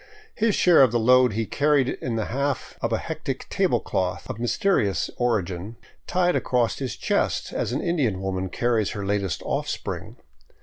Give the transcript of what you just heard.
His share of the load he carried in the half of a hectic table cloth, of mysterious origin, tied across his chest, as an Indian woman carries her latest oft spring.